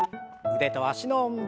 腕と脚の運動。